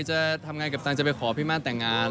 จะทำงานกัปตันจะไปขอพี่ม่านแต่งงาน